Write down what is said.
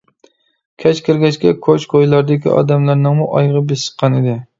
كەچ كىرگەچكە كوچا-كويلاردىكى ئادەملەرنىڭمۇ ئايىغى بېسىققان ئىدى.